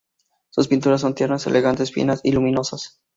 Sus pinturas son tiernas, elegantes, finas, y luminosas.